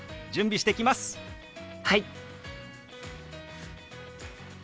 はい。